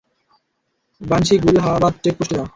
Banshee, গুলাহাবাদ চেকপোস্টে যা।